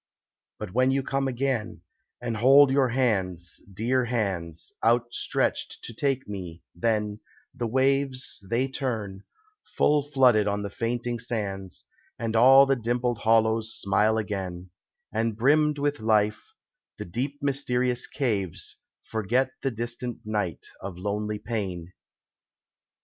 But when you come again, and hold your hands Dear hands, outstretched to take me, then, the waves, They turn, full flooded on the fainting sands, And all the dimpled hollows smile again, And brimmed with life, the deep mysterious caves Forget the distant night of lonely pain.